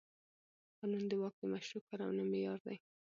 قانون د واک د مشروع کارونې معیار دی.